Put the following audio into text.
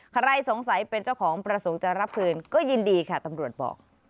ใครสงสัยเป็นเจ้าของประสงค์จะรับคืนก็ยินดีค่ะตำรวจบอก